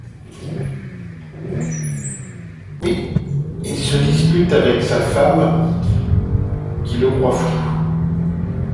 Il se dispute avec sa femme qui le croit fou.